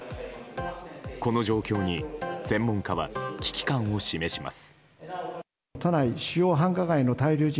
この状況に、専門家は危機感を示します。